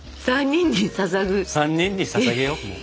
３人にささげようもう。